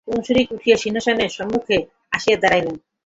পুণ্ডরীক উঠিয়া সিংহাসনের সম্মুখে আসিয়া দাঁড়াইলেন।